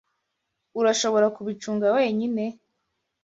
Urashobora kubicunga wenyine?